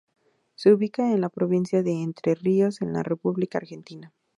Se ubica en la Provincia de Entre Ríos en la República Argentina.